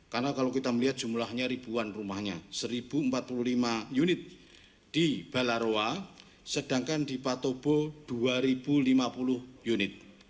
karena kalau kita melihat jumlahnya ribuan rumahnya satu empat puluh lima unit di balaroa sedangkan di petobo dua lima puluh unit